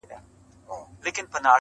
!او د شپېلۍ آواز به غونډي درې وڅيرلې!